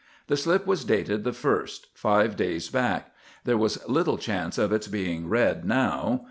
The slip was dated the first five days back. There was little chance of its being read now.